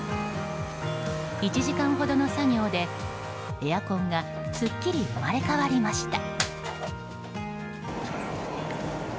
１時間ほどの作業で、エアコンがすっきり生まれ変わりました。